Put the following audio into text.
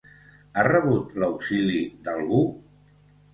Ha rebut l'auxili d'algú?